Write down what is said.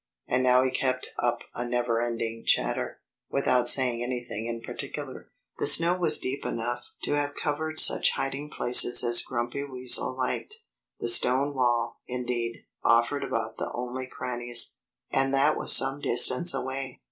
And now he kept up a never ending chatter, without saying anything in particular. The snow was deep enough to have covered such hiding places as Grumpy Weasel liked. The stone wall, indeed, offered about the only crannies; and that was some distance away.